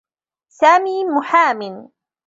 سامي محامٍ.